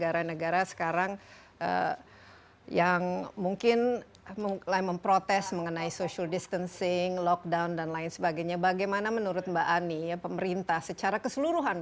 apakah anda mengatakan bahwa tidak hanya covid sembilan belas yang itu yang membuat kita berpikir kebenaran